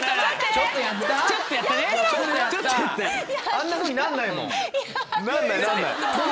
あんなふうになんないもん。